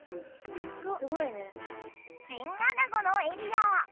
チンアナゴのエリア！